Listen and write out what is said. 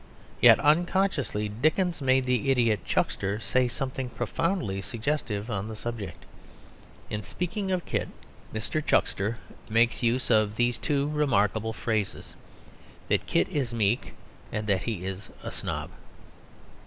Yet unconsciously Dickens made the idiot Chuckster say something profoundly suggestive on the subject. In speaking of Kit Mr. Chuckster makes use of these two remarkable phrases; that Kit is "meek" and that he is "a snob."